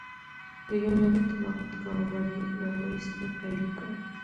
د یوناني طبابت کاروبار يې راویست او پیل یې کړ.